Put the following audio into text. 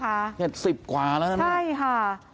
๗๐กว่าแล้วใช่ไหมคะใช่ค่ะ